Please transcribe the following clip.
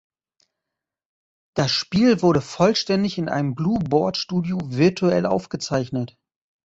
Das Spiel wurde vollständig in einem Blue-Board-Studio virtuell aufgezeichnet.